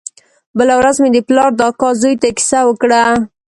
بله ورځ مې د پلار د اکا زوى ته کيسه وکړه.